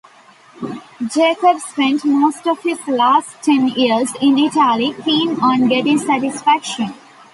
Jakob spent most of his last ten years in Italy keen on getting satisfaction.